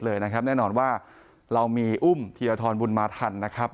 เลยนะครับแน่นอนว่าเรามีอุ้มทียาธรบุลมาทันนะครับ